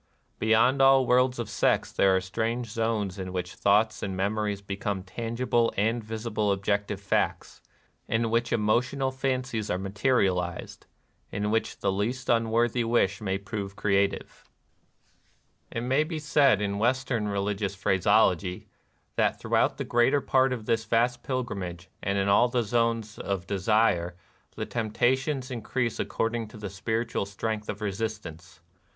Beyond all worlds of sex there are strange zones in which thoughts and memories become tangible and visible objective facts, — in which emotional fancies are materialized, — in which the least unworthy wish may prove creative. ment with the modern scientific teaching of the hereditary transmission of tendencies. 238 NIRVANA It may be said, in Western religious phrase ology, that throughout the greater part of this vast pilgrimage, and in all the zones of desire, the temptations increase according to the spirit ual strength of resistance.